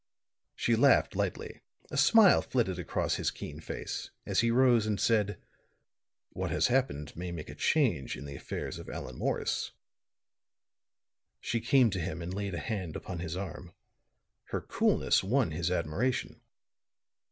She laughed lightly; a smile flitted across his keen face, as he rose and said: "What has happened may make a change in the affairs of Allan Morris." She came to him and laid a hand upon his arm. Her coolness won his admiration.